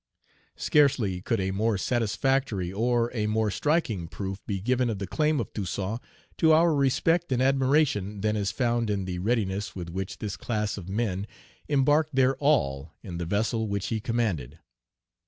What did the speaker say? Scarcely could a more satisfactory or a more striking proof be given of the claim of Toussaint to our respect and admiration than is found in the readiness with which this class of men embarked their all in the vessel which he commanded.